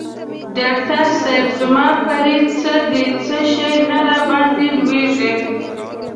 ډاکټر صېب زما پریز څه دی څه شی نه راباندي لویږي؟